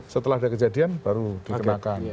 setelah ada kejadian baru dikenakan